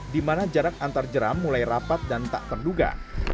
di mana jarak antar jeram mulai rapat dan tak terduga